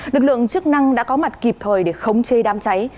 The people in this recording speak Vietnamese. lực lượng chức năng đã có mặt kịp thời để khống chê đám cháy